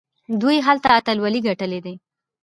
دوی هلته اتلولۍ ګټلي دي.